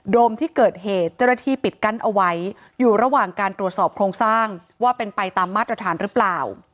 มที่เกิดเหตุเจ้าหน้าที่ปิดกั้นเอาไว้อยู่ระหว่างการตรวจสอบโครงสร้างว่าเป็นไปตามมาตรฐานหรือเปล่า